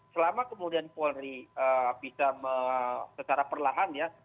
selama kemudian polri bisa secara perlahan ya